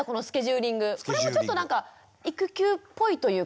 これもちょっとなんか育休っぽいというかね